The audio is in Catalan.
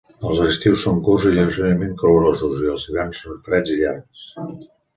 Els estius són curts i lleugerament calorosos i els hiverns són freds i llargs.